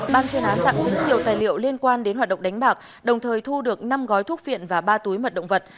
bang trên án tặng dữ liệu tài liệu liên quan đến hoạt động đánh bạc đồng thời thu được năm gói thuốc viện và ba túi mật động vật